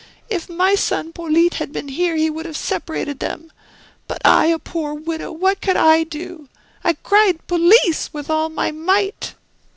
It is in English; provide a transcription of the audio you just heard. If my son Polyte had been here he would have separated them; but I, a poor widow, what could I do! I cried 'Police!' with all my might."